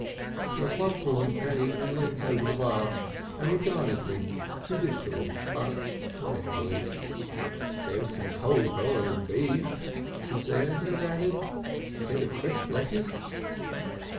The plump woman came and leant over the bar and regarded him judicially, but kindly. "There's some cold boiled beef," she said, and added: "A bit of crisp lettuce?"